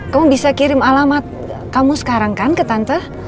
kamu bisa kirim alamat kamu sekarang kan ke tante